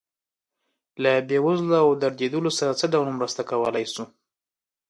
له بې وزلو او دردېدلو سره څه ډول مرسته کولی شو.